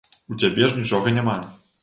У цябе ж нічога няма.